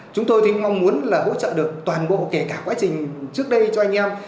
chúng tôi mong muốn là hỗ trợ được toàn bộ kể cả quá trình trước đây cho anh em